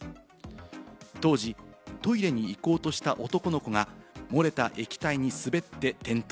当時、トイレに行こうとした男の子が漏れた液体に滑って転倒。